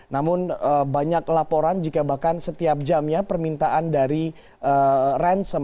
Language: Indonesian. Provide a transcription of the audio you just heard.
namun banyak laporan jika bahkan setiap jamnya permintaan dari ransom